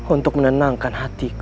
untuk menenangkan hatiku